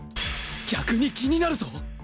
逆に気になるぞ！